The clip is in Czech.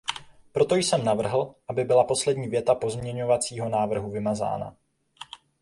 Proto jsem navrhl, aby byla poslední věta pozměňovacího návrhu vymazána.